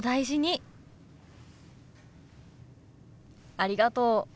ありがとう。